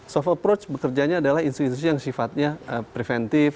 soft approach bekerjanya adalah institusi institusi yang sifatnya preventif